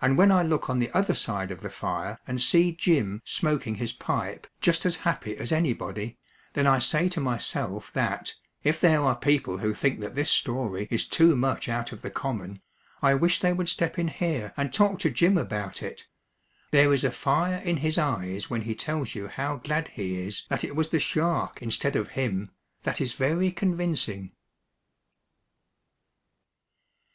And when I look on the other side of the fire and see Jim smoking his pipe just as happy as anybody, then I say to myself that, if there are people who think that this story is too much out of the common, I wish they would step in here and talk to Jim about it. There is a fire in his eyes when he tells you how glad he is that it was the shark instead of him, that is very convincing.